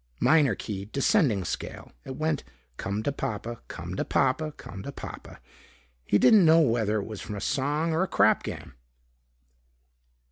Minor key, descending scale. It went "Come to Papa, come to Papa, come to Papa." He didn't know whether it was from a song or a crap game.